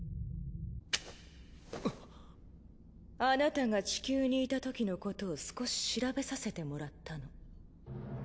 あなたが地球にいたときのことを少し調べさせてもらったの。